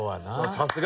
さすが！